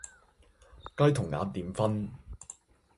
雞同鴨點分